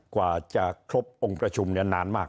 กว่าจะครบองค์ประชุมนานมาก